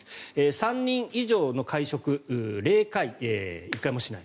３人以上の会食０回、１回もしない。